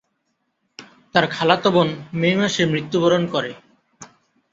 তার খালাতো বোন মে মাসে মৃত্যুবরণ করে।